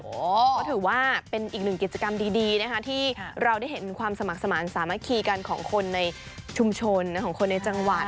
ก็ถือว่าเป็นอีกหนึ่งกิจกรรมดีนะคะที่เราได้เห็นความสมัครสมาธิสามัคคีกันของคนในชุมชนของคนในจังหวัด